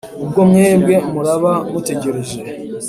ubwo mwebwe muraba mutegereje